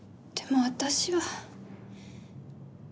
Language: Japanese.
でも私は。